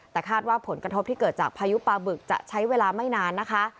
แต่คาดว่าผลกระทบที่เกิดจากพายุปลาบึกจะใช้เวลาไม่นานนะคะ